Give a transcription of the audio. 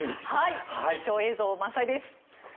貴重映像満載です。